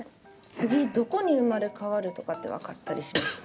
次、どこに生まれ変わるとかって分かったりしますか？